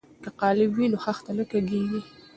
که قالب وي نو خښته نه کږیږي.